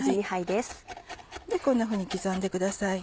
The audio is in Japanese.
こんなふうに刻んでください。